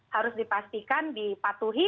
harus dipastikan dipatuhi